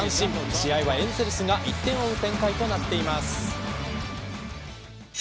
試合はエンゼルスが１点を追う展開となっています。